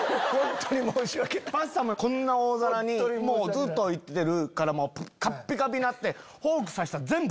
ずっと置いてるからカッピカピになって。